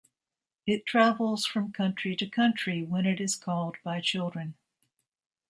It travels from country to country when it is called by children.